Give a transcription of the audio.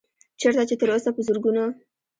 چرته چې تر اوسه پۀ زرګونو